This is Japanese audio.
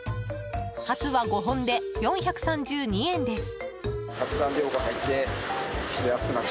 ハツは５本で４３２円です。